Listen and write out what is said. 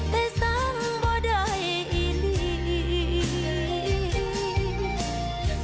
แต่สังบ่ได้อีก